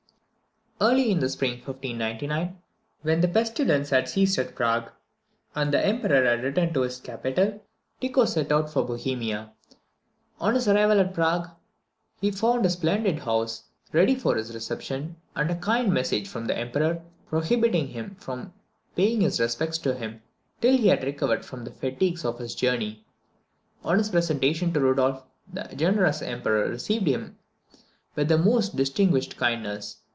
Early in the spring of 1599, when the pestilence had ceased at Prague, and the Emperor had returned to his capital, Tycho set out for Bohemia. On his arrival at Prague, he found a splendid house ready for his reception, and a kind message from the Emperor, prohibiting him from paying his respects to him till he had recovered from the fatigues of his journey. On his presentation to Rudolph, the generous Emperor received him with the most distinguished kindness.